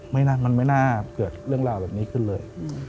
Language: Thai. มันไม่น่าเกิดเรื่องราวแบบนี้ขึ้นเลย